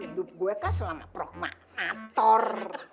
hidup gue kan selama proklamator